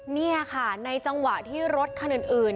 เนี่ยค่ะในจังหวะที่รถคณ